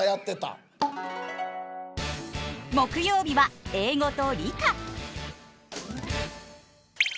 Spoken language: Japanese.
木曜日は英語と理科。